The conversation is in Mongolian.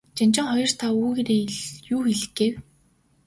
Жанжин ноён та үүгээрээ юу хэлэх гээв?